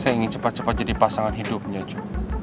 saya ingin cepat cepat jadi pasangan hidupnya juga